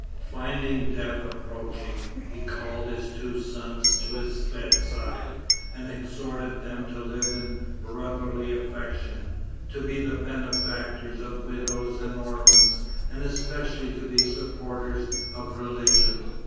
Finding death approaching, he called his two sons to his bedside, and exhorted them to live in brotherly affection, to be the benefactors of widows and orphans, and especially to be the supporters of religion.